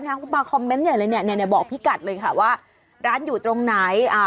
มาคอมเมนต์อย่างไรเนี่ยบอกพี่กัดเลยค่ะว่าร้านอยู่ตรงไหน